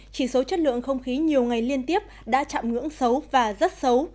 chỉ số chất lượng không khí nhiều ngày liên tiếp đã chạm ngưỡng xấu và rất xấu